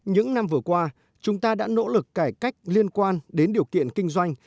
những năm vừa qua chúng ta đã nỗ lực cải cách liên quan đến điều kiện kinh doanh